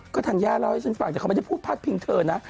ธัญญาเล่าให้ฉันฟังแต่เขาไม่ได้พูดพลาดพิงเธอนะ